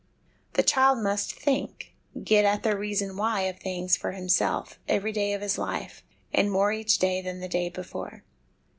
The child must think, get at the reason why of things for himself, every day of his life, and more each day than the day before.